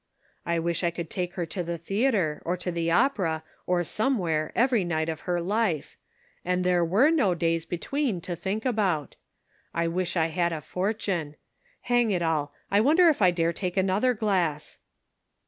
" I wish I could take her to the theater, or the opera, or somewhere every night of her life, and there were no days between to think about. I wish I had a fortune. Hang it all ! I wonder if I dare take another glass?"